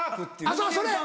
そうそれ！